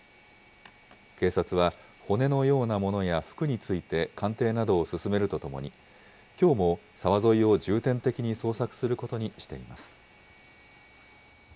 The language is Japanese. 警察は、骨のようなものや服について、鑑定などを進めるとともに、きょうも沢沿いを重点的に捜索することにしています。